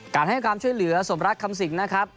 การให้ความช่วยเหลือสมรักคำสิงนะครับ